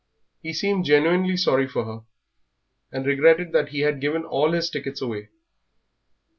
He seemed genuinely sorry for her, and regretted that he had given all his tickets away.